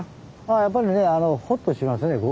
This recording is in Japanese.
やっぱりねほっとしますね